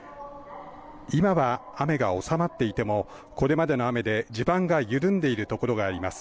今は雨が収まっていても、これまでの雨で地盤が緩んでいる所があります。